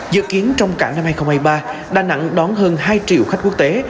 dự kiến trong cả năm hai nghìn hai mươi ba đà nẵng đón hơn hai triệu khách quốc tế